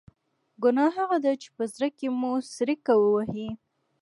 ګناه هغه ده چې په زړه کې مو څړیکه ووهي.